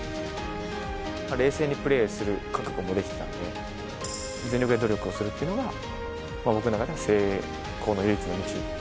冷静にプレーする覚悟も出来てたんで、全力で努力をするっていうのが、僕の中では成功の唯一の道。